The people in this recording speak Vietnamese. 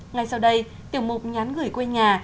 ngày sau đây tiểu mục nhắn gửi quê nhà